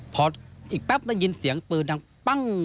พออีกแป๊บได้ยินเสียงปืนดังปั้ง